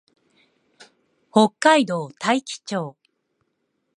北海道大樹町